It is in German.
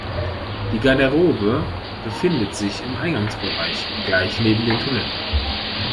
Die Garderobe befindet sich im Eingangsbereich, gleich neben den Toiletten.